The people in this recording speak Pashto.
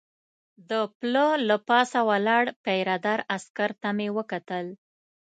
د پله له پاسه ولاړ پیره دار عسکر ته مې وکتل.